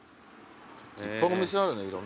いっぱいお店あるねいろんなの。